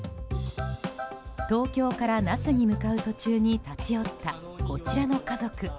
東京から那須に向かう途中に立ち寄った、こちらの家族。